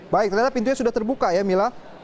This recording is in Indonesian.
baik ternyata pintunya sudah terbuka ya mila